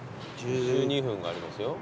１２分がありますよ。